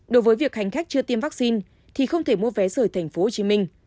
đối với việc hành khách chưa tiêm vaccine thì không thể mua vé rời tp hcm